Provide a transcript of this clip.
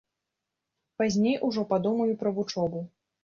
Пазней ужо падумаю пра вучобу.